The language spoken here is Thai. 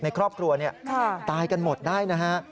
ในครอบครัวตายกันหมดได้นะฮะ